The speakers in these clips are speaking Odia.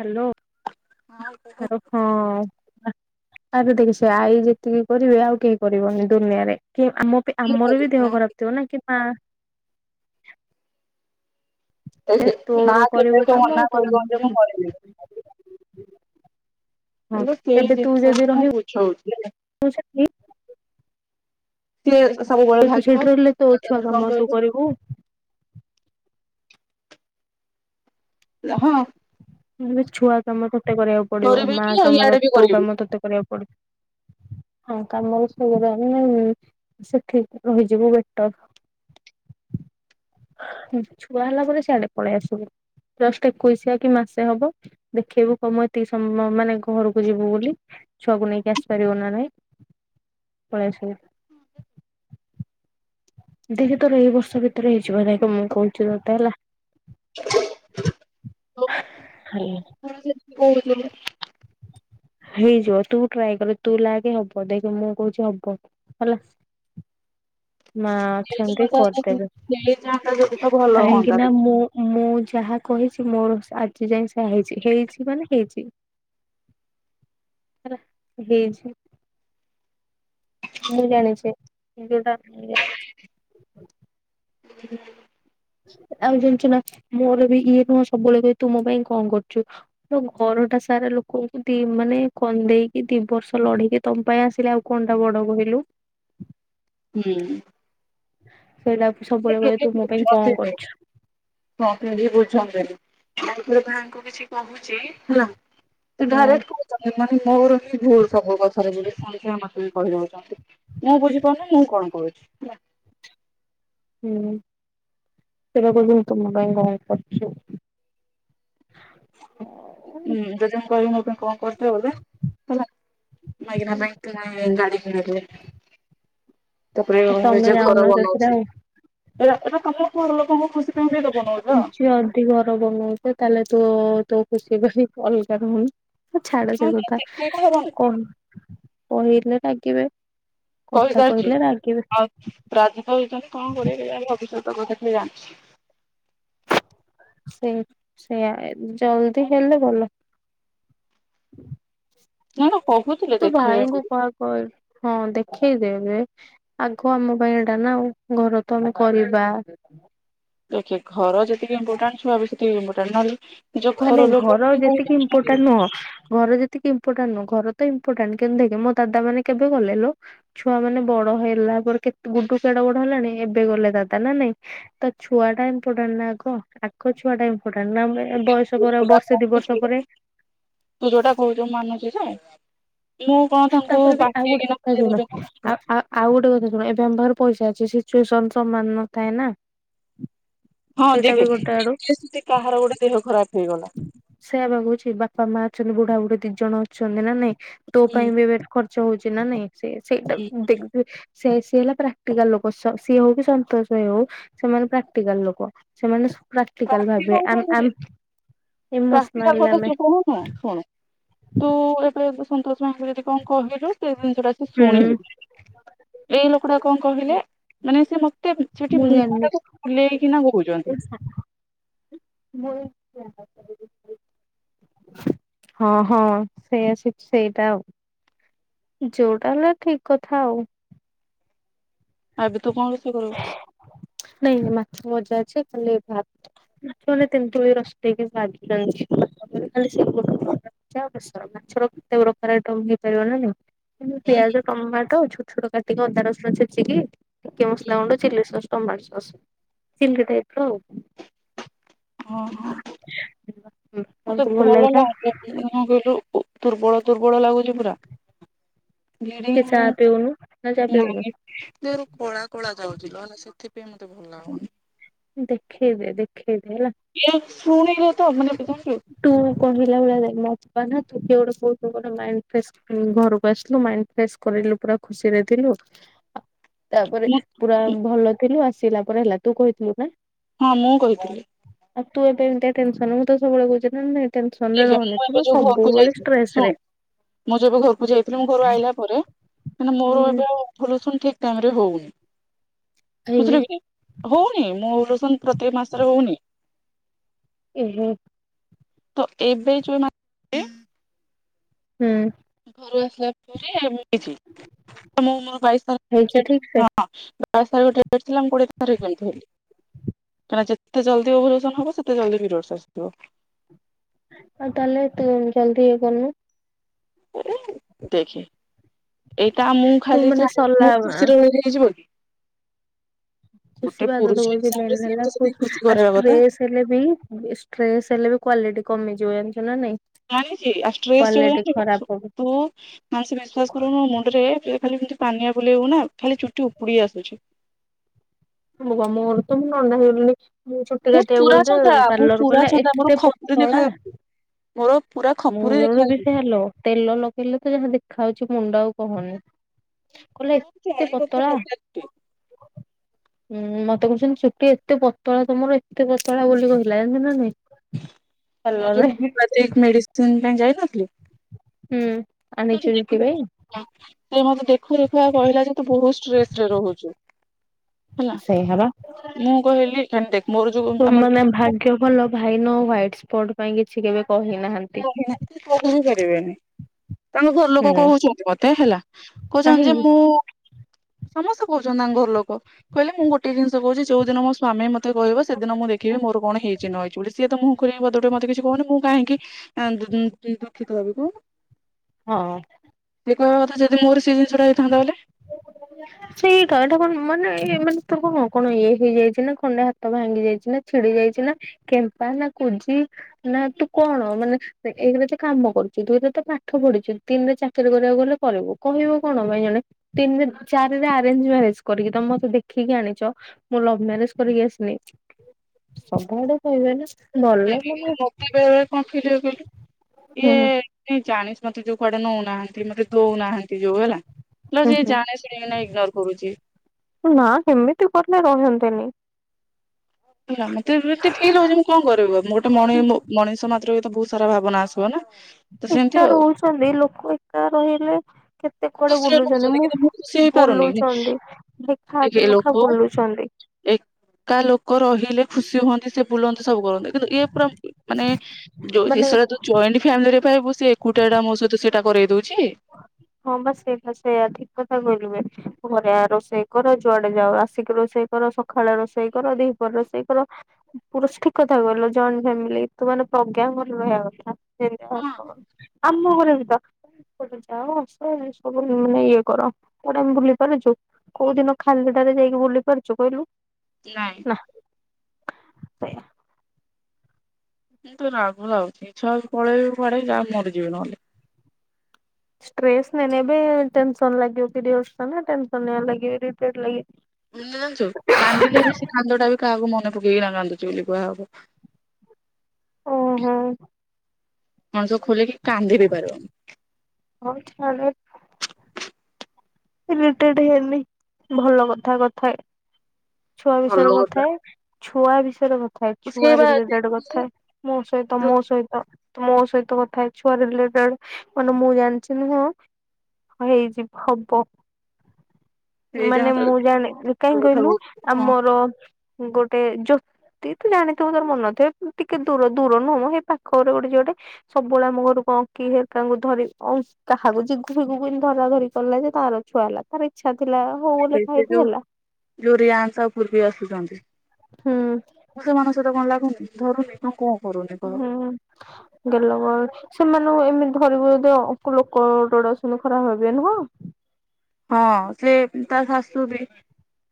ହାଲୋ। ହଁ। ଆରେ ଦେଖି ସେ ଆଇ ଯେତିକି କରିବେ ଆଉ କେହି କରିବନି ଦୁନିଆରେ। କି ଆମ ଆମର ବି ଦେହ ନା ଖରାପ ଥିବ ନା କି ମା କି [inaudible] ନା କରିବୁ କେବେତ କାମ ମନା କରିବନି ଯେ ମୁଁ ତମ କରିବିନି। ହଁ ହେଲେ ସେଇ ଏବେ ତୁ ଜିନିଷ ଯଦି ମୁଁ ରହିବୁ ବୁଝଉଛି ହେଲା। ସବୁବେଳେ ତ ଭାଗିବ ସେଇଠି ରହିଲେ ତୋ ଆଉ ଛୁଆ ତାପରେ କଣ କାମ ତୁ କହିବି କରିବୁ? ହଁ। ଛୁଆ ତମର । ତତେ କରିବାକୁ ପଡିବ କରିବି ମା କି ଆଉ କାମ ଇଆଡେ ବି ତୋ କରିବି କାମ ତତେ କରିବାକୁ ପ ହଁ କାମରେ ଶଗମେ ସେ ଠିକ ରହିଯିବୁ ବେଟର ଛୁଆ ହେଲା ପରେ ସିଆଡେ ପଳେଇ ଆସିବୁ ଜଷ୍ଟ ଏକୋଇଶିଆ କି ମାସ [unintelligible] ହବ ଦେଖେଇବୁ କମ ଏତିକି ସମୟ ମାନେ ଘରକୁ ଯିବୁ ବୋଲି ଛୁଆକୁ ନେଇକି ଆସିପାରିବ ନା ନାଇଁ ପଳେଇସ। ଦେଖେ ତୋର ଏଇ ବର୍ଷ ଭିତରେ ହେଇଯିବ ନାଇଁ ମୁଁ କହୁଛି ତତେ ହେଲା। [inaudible] [unintelligible] [unintelligible] ହେଇଯିବ ତୁ ଟ୍ରାଏ ତୁ ଲାଗେ ହବ ଦେଖ ମୁଁ କହୁଛି ହବ ହେଲା। ମା ଅଛନ୍ତି କରିଦେବେ ହେଇଯାଆନ୍ତା ଯଦି ତ ଭଲ କାହିଁକି ହୁଅନ୍ତା ନା ମୁଁ ମୁଁ ଯାହା କହିଛି ମୋର ଆଜି ଯାଏ ସେ ହେଇଚି ହେଇଛି ମାନେ ହେଇଛି ହେଇଛି। ମୁଁ ଜାଣିଛି । [unintelligible] ଆଉ ଜାଣିଚୁନା ମୋର ବି ଇଏ ନୁହଁ ସବୁବେଳେ କହିବେ ତୁ ମୋ ପାଇଁ କଣ କରୁଚୁ? ତୋ ଘରଟା ସାରା ଲୋକଙ୍କୁ ଦି ମାନେ ଖନ୍ଦେଇକି ଦି ବର୍ଷ ଲଢିକି ତମ ପାଇଁ ଆସିଲେ ଆଉ କଣଟା ବଡ କହିଲୁ। ହୁଁ। ହ [unintelligible] ହଁ କେହି ବୁଝନ୍ତିନି। ତାପରେ ଭାଇଙ୍କୁ କିଛି କହୁଚି ହେଲା। ହଁ [unintelligible] ମାନେ ମୋର। ଭୁଲ ସବୁ କଥାରେ [unintelligible] ମତେ ବି କହିଦଉଛନ୍ତି ମୁଁ ବୁଝିପାରୁନି ମୁଁ କଣ କରୁଛି ହେଲା। ହୁଁ ସେଇଟା କହୁଛନ୍ତି ତୁ ମୋ ପାଇଁ କଣ କରୁଚୁ? ହୁଁ ଯଦ ମୁଁ କହିବି କଣ କରୁଚୁ ଏଇଗୁଡ଼ ହେଲା [unintelligible] ତାପରେ ତମେ ନିଜେ ଯାଉନ ଘର ସେଥିରେ ବନଉଚି। ଆଉ ଏ ଏଟା ତମ ଘର ଲୋକ ଙ୍କ ଖୁସି। ପାଇଁ ବି ତ ବନଉଛ ଯଏ ଯଦି ଘର ବନଉଚ ତାହେଲେ ତୁ ତୋ ଖୁସି ପାଇଁ [unintelligible] ଛାଡ ସେ କଥା ଏଇଟା ହବନି କଣ କହିଲେ? ରାଗିବେ। କଥା କହିସାରିଚି କହିଲେ ରାଗିବେ ଆଉ ରାଜିତ ହେଉଚନ୍ତି କଣ କରିବେ କେଜାଣି ଭବିଷ୍ୟତ ତ କଥା କିଏ ଜାଣିଚି? ସେଇ ସେଇଆ ଜଲଦି ହେଲେ ଭଲ। [unintelligible] ତୁ ଦେଖେଇବେ ଭାଇଙ୍କୁ ବୋଲି କୁହା କର ହଁ ଦେଖୀ ଦେବେ ଆଗୁଆ ଆମ ପାଇଁ ଏଇଟା ନା ଆଉ ଘର ତ ଆମେ କରିବା। ଦେଖେ ଘର ଯେତିକି ଇମ୍ପୋର୍ଟାଣ୍ଟ ଛୁଆ ବି ସେତିକ ଇମ୍ପୋର୍ଟାଣ୍ଟ ନହଲେ ନାଇଁ ଘର ଯେତିକି ଇମ୍ପୋର୍ଟାଣ୍ଟ ନୁହଁ ଘର ଯେତିକି ମ୍ପୋର୍ଟାଣ୍ଟ ନୁଅ ଘର ତ ଇମ୍ପୋର୍ଟାଣ୍ଟ କିନ୍ତୁ ଦେଖେ ମୋ ଦାଦା ମାନେ କେବେ ଗଲେ ଲୋ ଛୁଆ ମାନେ ବଡ ହେଇଲା ପରେ କେ ଗୁଡୁ କେଡ ବଡ ହେଲାଣି ଏବେ ଗଲା ଦାଦା ନା ନାଇଁ ତ ଛୁଆଟା ଇମ୍ପୋର୍ଟାଣ୍ଟ ନା ଆଗ ଆ ଛୁଆଟା [unintelligible] ଆମେ ବଏ ବର୍ଷ ତୁ ବର୍ଷେ ଦି ବର୍ଷ ପରେ ଯୋଉଟା କହୁଛୁ ମାନୁଛି ଯେ ମୁଁ କଣ ତାଙ୍କୁ ତାପରେ ବି ଆଉ ଗୋଟେ ବାଟେଇକିନା କଥା ବୁଝେଇ ଶୁଣ ଦେବି କଣ ଆ ଆଉ ଗୋଟେ କଥା ଶୁଣ ଏବେ ଆମ ବା ପଇସା ଅଛି ସିଚୁଏସନ ସମାନ ନଥାଏ ନା ହଁ ସେଇଟା ବି ଯେଖେ କାହାର ଗୋଟେ ଦେହ ଖରାପ ହେଇଗଲା ସେଇୟା ବା କହୁଛି ବାପା ମା ଛନ୍ତି ବୁଢା ବୁଢୀ ଦି ଜଣ ଅଛନ୍ତି ନା ନାଇଁ। ତୋ ହୁଁ ପାଇଁ ବି ୱେଟ କର ହଉଛି ନା ନାଇଁ? ସେ ସେଇଟା ହୁଁ କୁ ଦେ ସେ ସିଏ ହେଲା ପ୍ରାକ୍ଟିକାଲ ଲୋକ ସିଏ ହଉ କି ସନ୍ତୋଷ ଭାଇ ହଉ ସେମାନେ ପ୍ରାକ୍ଟିକାଲ ଲୋକ ସେମାନେ ପ୍ରାକ୍ଟିକାଲ ଭାବିବେ ଆମ ଆମ ପ୍ରାଟିକଲ୍ କଥା ସନ୍ତୋଷ ଭଇ ଙ୍କୁ ଯଦି କଣ କହିଲୁ? ସେ ଜିନିଷ ଟା ସେ ହୁଁ ଶୁଣିବି ଏଇ ଲୋକଟା କଣ କହିଲେ ମାନେ ସେ ମତେ ତେ ସେଠି ମୁଁ ମୁହଁ ଜାଣିନି ଟାକୁ ଫୁଲେଇକିନା ବଉଛନ୍ତି। ହଁ ହଁ ସେଇଆ ସେଇଟା ଯୋଉଟା ହେଲେ ଠିକ କଥା ଆଉ। ଆବେ ତୁ କଣୁ ନାଇଁ ନାଇଁ ମାଛ ମଜା ଅଛି। ହେଲେ ଭାତାନେ ତେନ୍ତୁଳି ରସ ଟିକେ ବାଜିି ଯଇଛି। [unintelligible] ମାଛର କେତେ ପ୍ରକାର ଆଇଟମ ହେଇପାରିବ ନା ନାଇଁ? ହୁଁ ପିଆଜ କମ ମାରି ଦଉଛୁ ଛୋଟ କାଟିକି ଅଧା ରସୁଣ ଛଚିକ କି। ହୁଁ ଗୁଣ୍ଡ chilli sauce. Tomato sauce chilli type ର ଆଉ। ଓହୋ ମତେ ତାକୁ ଭଲ ଲାଗିଲା ଲାଗେ କ କହିଲୁ? ଦୁର୍ବଳ ଦୁର୍ବଳ ଲାଗୁଛି ପ କିଏ ଚା ପିଉନୁ ନା ଚା ପିଉନୁ କୋଳା କୋଳା ଯାଉଛି ସେଥିପାଇଁ ମତେ ଭଲ ଲାଗୁନି। ଦେଖେଇବେ ଦେଖେ ହେଲା। ଇଏ ଶୁଣିଲେ ତ ମାନେ ଜାଣିଲୁ ଟୁ କହିଲା ବେଳେ ଲା ଯିବା ନା ତୁ ଟିକେ ଗୋଟେ ଶୋ ଫୋ କଲେ ମାଇଣ୍ଡ ଫ୍ରେସ୍ ଘରୁକୁ ଆସିଥିଲୁ ମାଇଣ୍ଡ ଫ୍ରେସ୍ କରେଇଲୁ ପୁରା ଖୁସିରେ ଥିଲୁ ତା ପରେ ମୁଁ ପୁରା ଭଲ ଥିଲୁ ଆସି ସିଲା ପରେ ହେଲା ତୁ କହିଥିଲୁ ନା? ହଁ ମୁଁ କହିଥିଲି। ତୁ ଏବେ ଏମିତିଆ ଟେନ୍ ସନ୍ ମୁଁ ତ ସବୁବେଳେ କହୁଛ ନା ନାଇଁ । ଠିକ୍ ମୁଁ ଏବେ ଯୋଉ ଘରକୁ ଯାଇଥିଲି ଷ୍ଟ୍ରେସ ଶୁଣ ରେ। ମୁଁ ଯୋଉ ଏବେ ଘରକୁ ଯାଇଥିଲି ମୁଁ ଘରୁ ଆଇଲା ପରେ ମାନେ ମୋର ହୁଁ ଏବେ ଆଉ ଭୁଲ୍ ସୁନ୍ ଠିକ୍ ଟାଇମ୍ ରେ ହଉନି। କାହିଁକି କୋଉଥିରେ ବି ନାଇ ହଉନି ମୋର ସେ ପ୍ରତେକ ମାସରେ ହଉନି । ଏ ହେ। ତ ଏବେ ଯୋଉ ମାସେ ହୁଁ। ଘରୁ ଆସିଲା ପରେ ଆମେ ହେଇଛି ମୁଁ ମୋ ଭାଇସ୍ ହେଇଛି ଠିକ ତରଫରୁ ସେ ହଁ ଆର ମାସରେ ଗୋଟେ ଡେଟ୍ ଥିଲା ମୁଁ କୋଡ଼ିଏ ତାରିଖ କେମିତି ହେଲା ବୋଲି କାହିଁକିନା ଯେତେ ଜଲ୍ଦୀ ଓଭ୍ୟୁଲେସନ୍ ହବ ସେତେ ଜଲ୍ଦୀ ପିରିଅଡଶ୍ ଆସିଥିବ। ଆଉ ତାହଲେ ତୁ ଜଲ୍ଦି ଇଏ କରନୁ । ଦେଖେ ଦେଖେ। ଏଇଟା ମୁଁ ତୁ ଖାଲି ମାନେ ଚାହିଁଲେ ସରିଲା ମୁଁ ଖୁସିରେ ରହିବି ହେଇଯିବ କି? ଖୁସି ଗୋଟେ ବାହାଘର ପୁରୁଷ ଯୋଉ ସେଇଥିପାଇଁ ହିସାବରେ ସିଏ ବି ତ ହେଲାବେଳକୁ ସେତିକି ଖୁସି ଆ କରେଇବା କଥା ଷ୍ଟ୍ରେସ୍ ହେଲେ ବି ଷ୍ଟ୍ରେସ୍ ହେଲେ ବି କ୍ଵାଲିଟି କମି ଯି ଜୁଏଲ୍ ଆଣିଛୁ ନା ନାଇଁ? ଜାଣିଛି ଆଉ ଷ୍ଟ୍ରେସ୍ ଯୋଉ କ୍ଵାଲିଟି ଖରାପ ତୁ ମାନେ ସିଏ ବି ବିଶ୍ଵାସ କରିବୁନୁ ମୁଣ୍ଡରେ ଖାଲି ଏମିତି ପାନିଆ ବୁଲେଇବୁ ନା ଖାଲି ଚୁଟି ଉପୁଡି ଆସୁଛି । ଦେଖ ମୋର ତ ମୁଁ ନଣ୍ଡା ହେଇଗଲିଣି । ମୁଁ ପୁରା ଚନ୍ଦା ମୁଁ ପୁରା କହିଲା ଚନ୍ଦା ମୋର ଏତେ ଖପୁରି ଦେଖାଯାଉଛି ମୋର ପୁରା ଖପୁରି ମୋର ବି ଦେଖାଯାଉଛି। ସେଇ ଲୋ ତେଲ ଲଗେଇଲେ ତ ଯାହା ଦେଖା ଯାଉଛି ମୁଣ୍ଡ ଆଉ କହନି। କହିଲା ତୋର ଏତେ ଚଳିବ ଟିକେ ପତଳା ମୋଟ ଚୁଟି। ଉୁଁ ମତେ କହୁଛନ୍ତି ଚୁଟି ଏତେ ପତଳା ତମର ଏତେ ପତଳା ବୋଲି କହିଲା ଜାଣିଛୁ ନା ନାଇଁ । ମୋର ଯୋଉ ହୁମେପାତିକ୍ ମେଡିସି ସିନ୍ ପାଇଁ ଯାଇନଥିଲି ହୁଁ। ତୋ ଆଣିଛୁ ଚୁଟି କାଟି ପାଇଁ। ଦେ ହଁ ସେ ମତେ ଦେଖୁ ଦେଖୁ ଆଗ କହିଲା ଯେ ତୁ ବହୁତ ଷ୍ଟ୍ରେସ୍ ରେ ରହୁଛୁ । ସେଇ ହେବା କହିଲି ଦେଖ ମୋର ଯୋଉ ମାନେ ଆମର ଭାଗ୍ୟ ଭଲ ଭାଇ ନୁହଁ ହ୍ୱାଇଟ୍ ସ୍ପଟ୍ ପାଇଁ କି ସିଏ କେବେ କହିନାହାନ୍ତି। କହିପାରିବେନି ତାଙ୍କ ଘରଲୋକ ହୁଁ କହୁଛନ୍ତି ମତେ ହେଲା କହୁଛନ୍ତି ଯେ କାହିଁକି? ମୁଁ ସମସ୍ତେ କହୁଛନ୍ତି ତାଙ୍କ ଘର ଲୋକ କହିଲେ ମୁଁ ଗୋଟେ ଜିନିଷ କହୁଛି ଯୋଉ ଦିନ ମୋ ସ୍ଵାମୀ ମତେ କହିବ ସେଦିନ ମୁଁ ଦେଖିବି ମୋର କଣ ହେଇଛି ନହେଇଚି ବୋଲି ସିଏ ତ ମୁହଁଖୋଲିକି ପଦୁଟିଏ ମୋତେ କିଛି କହୁନି ମୁଁ କାହିଁକି [unintelligible] ହଁ। କହିବା କଥା ଯଦି ମୋର ସେଇ ଜିନିଷଟା ହେଇଥାନ୍ତା ହେଲେ ସେଇଟା ତୋର କନ ସେ ତଳଟା କଣ ମନେ ମାନେ ତର କଣ ହେଇଯାଇଛି କଣ ଟା ହାତ ଭାଙ୍ଗି ଯାଇଛି ଛିଡ଼ି ଯାଇଛି କେମ୍ପା ନା କୁଜା ନା ତୁ କଣ ଏକରେ ତୁ କାମ କରୁଛୁ ତୁ ଏ ତତେ ପାଠ ପଢିଛୁ ତିନି ରେ ଚାକିରି କରିବାକୁ ଗଲେ କରିବୁ କହିବୁ କଣ ପାଇ ଜଣେ ତିନିରେ ଚାରିରେ ଆରେଞ୍ଜ ମ୍ୟାରେଜ କରିକି ତମେତେ ଦେଖିକି ଆଣିଛ ମୁଁ ଲଭ ମ୍ୟାରେଜ କରିକି ଆସିନି ସବୁଆଡେ କହିବେ ନା। ଭଲ ମାନେ ମୋତେ ବେଳେ ବେଳେ କଣ ଫିଲ୍ ହୁଏ କହିଲୁ ହୁଁ ଏଇ ମତେ ଯୋଉ କୁଆଡେ ନେଉନାହାନ୍ତି ମତେ ଦଉନାହାନ୍ତି ଯୋଉ ହେଲା ଇଲୋ ହୁଁ ସିଏ ଜାଣି ଶୁଣିକିନା ଇଗ୍ନୋର କରୁଛି ହୁଁ ନା କେମିତି କେ ରହୁଛନ୍ତିନି? ହେଲା ମତେ ଏତେ ଫିଲି ହଉଛି ମୁଁ କଣ କରିବ ମୁଁ ଗୋଟେ ମଣିଷ ମାତ୍ର ବହୁତ ସାରା ଭାବନା ଆସିବ ନା ତ ସେମିତି ଏକା ଆଉ ରହୁଛନ୍ତି ଲୋକ ଏକା ରହିଲେ କେତ ଖୁସିରେ ରହୁଛନ୍ତି କିନ୍ତୁ ମୁଁ ଖୁସି ହେଇପାରୁନି ବୁଲୁଛନ୍ତି ଦେଖା କି ନଖା ଲୋକ ବୁଲୁଛନ୍ତି ଏକା ଲୋକ ରହିଲେ ଖୁସି [unintelligible] ବୁଲନ୍ତି ସବୁ କରନ୍ତନ୍ତି କିନ୍ତୁ ଇଏ ପୁରା ମାନେଉ ମାନେ ଜଏଣ୍ ଫ୍ୟାମିଲିରେ ପାଇବୁ ସେ ଏକୁଟା ଟା ମୋ ସହିତ ସେଟାରେଇ ଦଉଛି ହଁ ବସ ଏ ସେଇୟଆ ଠିକ କଥା କହିଲିବେ ଘରେଆ ରୋଷେଇ କର ଯୁଆଡେ ଯାଉ ଆସିକି ରୋଷେଇ କର ସକାଳେ ରୋଷେଇ କର ଦି ପରେ ରୋଷେଇ କର ପୁର ଠିକ କଥା କହିଲ ଜଏଣ୍ଟ ଫ୍ୟାମିଲି ତୁ ମାନେ ପ୍ରଜ୍ଞା ଭଲ ରହଆ କଥା। ହଁ ସେଇଆ ଘରେ ତ କୋଟେ ଯାଅସ ସବୁ ମାନେ ଇଏ କର କୋଉଟେ ଆମେ ଭୁଲି ପାରୁଛୁ କୋଉ ଦିନ ଖାଲିଟାରେ ଯାଇକି ଭୁଲି ପାରୁଛୁ କହିଲୁ? ନାଇଁ। ସେ ମତେ ରାଗ ଲାଗୁଛି। [unintelligible] [unintelligible] [unintelligible] ଜାଣିଛୁ କାନ୍ଦିଲେ ହେଲେ ସେ କାନ୍ଦ ଟା ବି କାହାକୁ କାହାକୁ ମନେ ପକାଇ କାନ୍ଦୁଛି ବୋଲି କୁହା ହବ। ଓ ହୋଁ। ମଣିଷ ଖୋଲିକି କାନ୍ଦି ବିି ପାରିବନି। ହଉ ଛାଡ [unintelligible] ଛୁଆ ବିଷୟରେ କଥା ଭଲ କଥା ଛୁଆ ବିଷୟରେ କଥା ସେଇ ଛୁଆ ବା ରିଲେଟେଡ କଥା ମୋ ସହିତ ମୋ ସହିତ ମୋ ସହିତ କଥା ହେ ଛୁଆ ରିଲେଟେଡ ମାନେ ମୁଁ ଜାଣିଛି ନ ହଁ ହେଇଯିବ ହବ। ସେଇ ଯାହା ମାନେ ତାର ମୁଁ ଜାଣିଲି କେତେ କାହିଁ କଥା କହିଲୁ କହୁଛି, ହଁ ଆମର ଗୋଟେ ଜ୍ୟୋତି ତୁ ଜାଣିଥିବୁ ତୋର ମନ ନଥିବ ଟିକେ ଦୂର ଦୂର ନୁହଁ ସେ ପାଖରେ ଗୋଟେ ଯି ଗୋଟେ ସବୁବେଳେ ଆମ ଘରକୁ ଅଙ୍କି ସେ ତାଙ୍କୁ ଧରି କାହାକୁ ଜିଜୁ ଜିଜୁ ଧରା ଧରି କଲା ଯେ ତାର ଛୁଆ ହେଲା ତାର ଇଛା ଯୋଉ ଯୋଉ ରିୟାନ ସା ପୂର୍ବୀ ଆସୁଛନ୍ତି। ହୁଁ ମୁଁ ସେମାନଙ୍କ ସହିତ କଣ ଲାଗୁନି ଧରୁନି ନା କୁ ହୁଁ ଗଲ ବ ସେମାନେ ତୁ ଏମିତି ଧରିବୁ ଯଦି ଅ ଲୋକ ଗୋଡେ ଗୋଡେ ଅଛନ୍ତି ଖରାପ ହବେ ନୁହଁ ହଁ ସେ ତା ଶାଶୁ ବି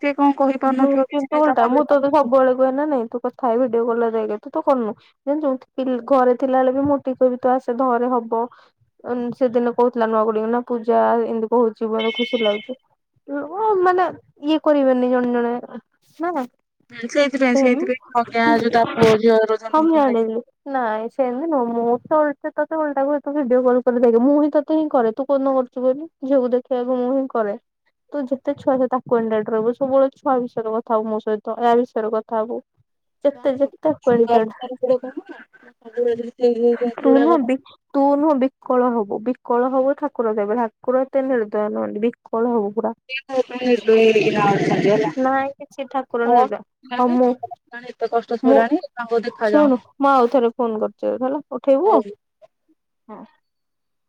ସେ କଣ କହି ମୁଁ ପାରୁନଥିବ କିଛି କିନ୍ତୁ ନାହିଁ ତା ଉଲଟା ମନରେ ମୁଁ ତ କଣ ସବୁବେଳେ କୁହ ନା ନାଇଁ ତୁ କଥା ହ ଭିଡିଓ କଲ ତ କରନୁଉ ଘରେ ଥିଲା ବଳେ ବି ମୋଟ କହିବି ତ ଆସେ ଧରେ ହବ ସେଦିନ କହୁଥିଲା ନୂଆ ଗୁଡ ନା ପୂଜା ଏମତି କହୁଛି ମେ ଖୁସି ଲାଗୁଛି ମାନେ ଇଏ କରିବେନି ଜଣେ [unintelligible] ନା ହୁଁ, ସେଇଥିପାଇଁ ସେ ହ ସେଇଥିପାଇଁ ପ୍ରଜ୍ଞା ଯୋଉ ତା ପୁଅ ଝିଅର ମୁ ଜନ୍ମଦିନ ଜଣଥିଲି ନାଇଁ ସେମତି ମୁଁ ତ ତତେ କ ତାକୁୁ ଭିଡିଓ କଲ କରି ଦେ ମୁଁ ହିଁ ତତେ ହିଁ କରେ ତୁ କ ନ କରୁଛୁ ବୋଲି ଝିଅକୁ ଦେଖିବାକୁ ମୁଁ ହିଁ କରେ। ତୁ ଯେତେ ଛୁଆଛୁ ତାକୁଣ୍ଡ ରହୁ ସବୁ ଅଛି ଆ ବିଷୟରେ କଥା ହବ ମୋ ସହିତ ଏହାୟ ବିଷୟରେ କଥା ହବ। ଟା ଯେତେ ଯେତେ ଛୁଆ ଏକ୍ୱେଣ୍ଟଟେଡ୍ ଗୁଡା କହୁନା ସବୁବେଳେ ଯଦି ସେଇ ଯୋଉ ଜିନିଷ ତୁ ନହ ଗୁଡାକ ତୁ ନୁହଁ ବିକଳ ହବୁ ବିକଳ ହବୁ ଠାକୁର ଦେବେ ଠାର ଏତେ ନିର୍ଦୟ ନୁହନ୍ତି ବିକଳ ହବୁ ପୁରା [unintelligible] ନାଇଁ କିଛି ଠାକୁର ହଁ ନଟ ହଁ ମୁଁ ଏତେ କଷ୍ଟ ମୁଁ ସହିଲାଣି ତାଙ୍କୁ ଦେଖା ଶୁଣ ଯାଉନି। ମୁଁ ଆଉ ଥରେ ଫୋନ କରୁଛି ହେଲା ଉଠେଇବୁ ଆଉ। ହଁ।